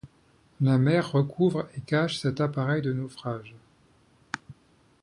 La mer recouvre et cache cet appareil de naufrage.